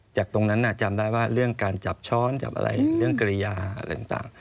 จากตรงนั้นจำได้ว่าเรื่องการจับช้อนจับอะไรเรื่องกริยาอะไรต่าง